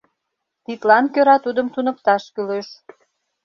Тидлан кӧра тудым туныкташ кӱлеш.